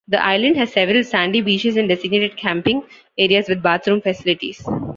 The island has several sandy beaches and designated camping areas with bathroom facilities.